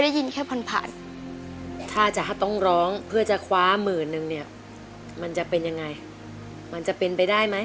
อีกหนึ่งนะครับ